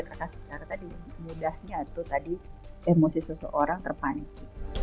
karena sekarang tadi mudahnya itu tadi emosi seseorang terpanik